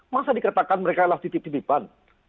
masa dikatakan mereka adalah titip titipan